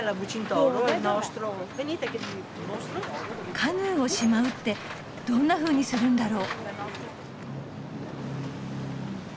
カヌーをしまうってどんなふうにするんだろ？